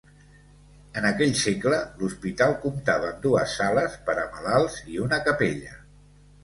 En aquell segle l'hospital comptava amb dues sales per a malalts i una capella.